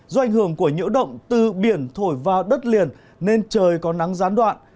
do ảnh hưởng của nhiễu động từ biển thổi vào đất liền nên trời có nắng gián đoạn